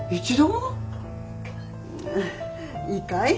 いいかい？